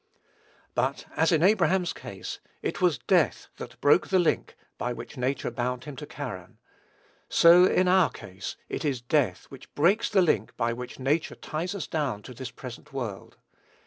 But, as in Abraham's case, it was death that broke the link by which nature bound him to Charran; so, in our case, it is death which breaks the link by which nature ties us down to this present world.